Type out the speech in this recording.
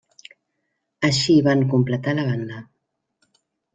Així van completar la banda.